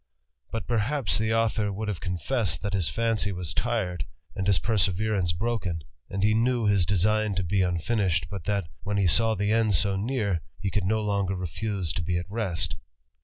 But, 'erhaps, the author would have confessed, that his fancy ^ tired, and his perseverance broken ; and he knew his esign to be unfinished, but that, when he saw the end so Car, he could no longer refuse to be at rest.